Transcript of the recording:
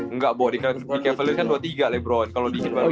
enggak bo di cavaliers kan dua tiga lebron kalo di hit baru enam